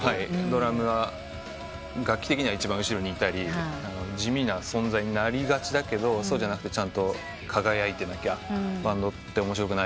ドラムは楽器的には一番後ろにいたり地味な存在になりがちだけどそうじゃなくてちゃんと輝いてなきゃバンドって面白くないと思うんで。